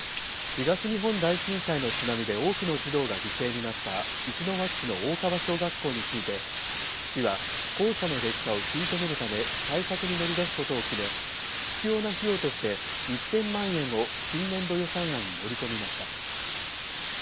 東日本大震災の津波で多くの児童が犠牲になった石巻市の大川小学校について市は校舎の劣化を食い止めるため対策に乗り出すことを決め必要な費用として１０００万円を新年度予算案に盛り込みました。